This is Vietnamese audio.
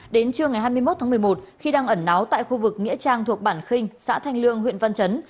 đến trưa ngày hai mươi một tháng một mươi một khi đang ẩn náu tại khu vực nghĩa trang thuộc bản khinh xã thanh lương huyện văn chấn